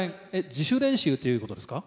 自主練習ということですか？